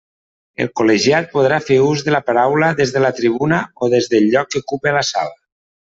El col·legiat podrà fer ús de la paraula des de la tribuna o des del lloc que ocupe a la sala.